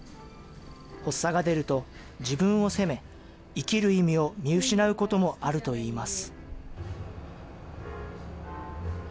発作が出ると、自分を責め、生きる意味を見失うこともあるといいます。